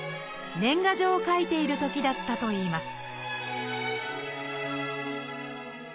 年賀状を書いているときだったといいます